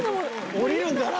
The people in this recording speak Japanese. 降りるんだな！